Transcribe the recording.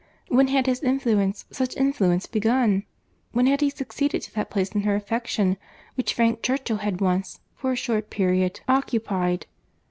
When had his influence, such influence begun?— When had he succeeded to that place in her affection, which Frank Churchill had once, for a short period, occupied?